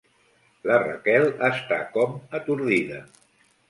La Raquel està com atordida.